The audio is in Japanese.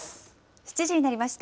７時になりました。